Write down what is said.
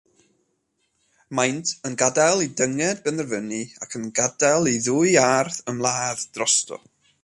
Maent yn gadael i dynged benderfynu ac yn gadael i ddwy arth ymladd drosto.